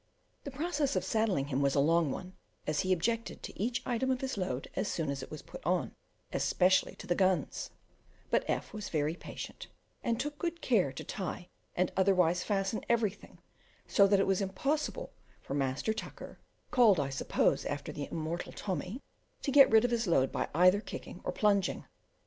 The process of saddling him was a long one, as he objected to each item of his load as soon as it was put on, especially to the guns; but F was very patient, and took good care to tie and otherwise fasten everything so that it was impossible for "Master Tucker" (called, I suppose, after the immortal Tommy) to get rid of his load by either kicking or plunging.